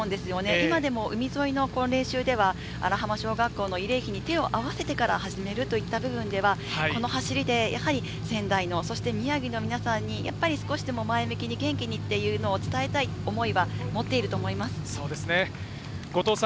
今でも海沿いの練習では荒浜小学校の慰霊碑に手を合わせてから始めるといった部分で宮城の皆さんに少しでも前向きに元気にっていうのを伝えたい思いは持っていると思います。